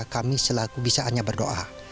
kami selaku bisa hanya berdoa